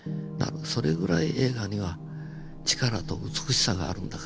それぐらい映画には力と美しさがあるんだからと。